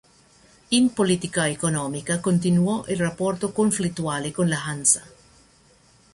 In politica economica continuò il rapporto conflittuale con la Hansa.